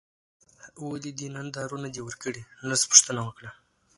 ولې دې نن دارو نه دي ورکړي نرس پوښتنه وکړه.